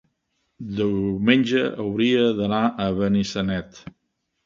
diumenge hauria d'anar a Benissanet.